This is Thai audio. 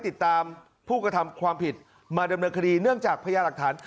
ติดตามผู้กระทำความผิดมาดำเนินคดีเนื่องจากพยาหลักฐาน